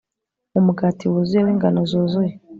mu mugati wuzuye wingano zuzuye